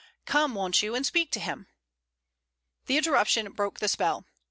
"Come, won't you, and speak to him." The interruption broke the spell.